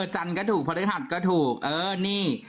จันก็ถูกพลังธรรมก็ถูกเออนี่